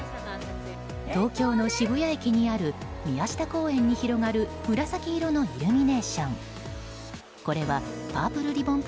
東京の渋谷駅にある宮下公園に広がる紫色のイルミネーション。